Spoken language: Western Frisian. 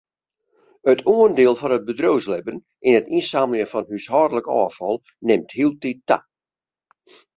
It oandiel fan it bedriuwslibben yn it ynsammeljen fan húshâldlik ôffal nimt hieltyd ta.